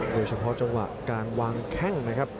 โดยเฉพาะจังหวะการวางแข้งนะครับ